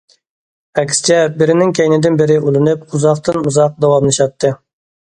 ئەكسىچە، بىرىنىڭ كەينىدىن بىرى ئۇلىنىپ، ئۇزاقتىن- ئۇزاق داۋاملىشاتتى.